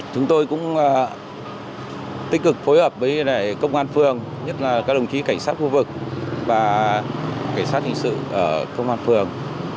chúng tôi cũng tích cực phối hợp với công an phường nhất là các đồng chí cảnh sát khu vực và cảnh sát hình sự ở công an phường